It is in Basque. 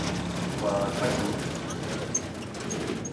Bada, ez dakigu.